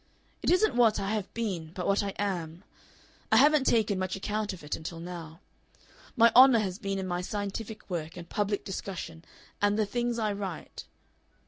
It isn't what I have been but what I am. I haven't taken much account of it until now. My honor has been in my scientific work and public discussion and the things I write.